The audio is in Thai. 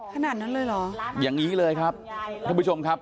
ขนาดนั้นเลยเหรออย่างนี้เลยครับท่านผู้ชมครับ